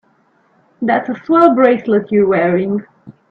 That's a swell bracelet you're wearing.